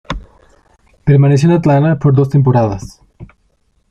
Permaneció en Atlanta por dos temporadas.